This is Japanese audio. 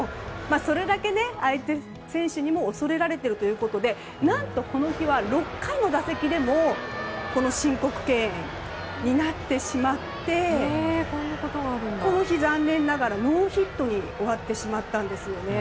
それだけ相手選手に恐れられているということで何とこの日は６回の打席でも申告敬遠になってしまってこの日、残念ながらノーヒットに終わってしまったんです。